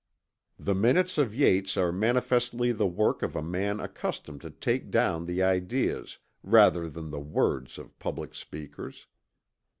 The Minutes of Yates are manifestly the work of a man accustomed to take down the ideas rather than the words of public speakers.